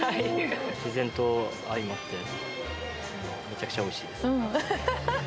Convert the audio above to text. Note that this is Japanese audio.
自然と相まって、めちゃくちゃおいしいです。